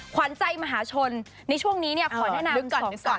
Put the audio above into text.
ขวัญใจมหาชนในช่วงนี้เนี่ยขอแนะนำก่อน